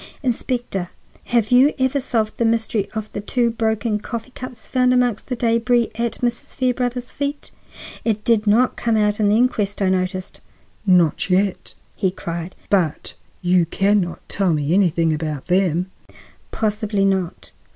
Inspector, have you ever solved the mystery of the two broken coffee cups found amongst the debris at Mrs. Fairbrother's feet? It did not come out in the inquest, I noticed." "Not yet," he cried, "but—you can not tell me anything about them!" "Possibly not.